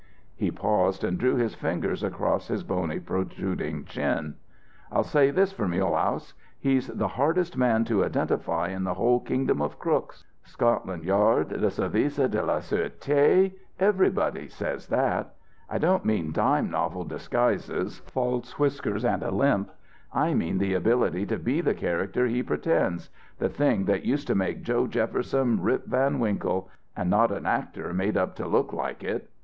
He paused and drew his fingers across his bony protruding chin. "I'll say this for Mulehaus: He's the hardest man to identify in the whole kingdom of crooks. Scotland Yard, the Service de la Sûreté, everybody, says that. I don't mean dime novel disguises false whiskers and a limp. I mean the ability to be the character he pretends the thing that used to make Joe Jefferson Rip Van Winkle and not an actor made up to look like it.